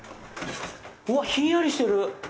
うわっ、ひんやりしてる！